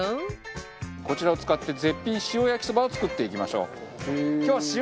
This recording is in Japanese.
こちらを使って絶品塩焼きそばを作っていきましょう。